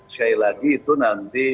sekali lagi itu nanti